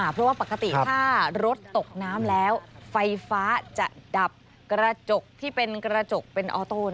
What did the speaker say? เพราะว่าปกติถ้ารถตกน้ำแล้วไฟฟ้าจะดับกระจกที่เป็นกระจกเป็นออโต้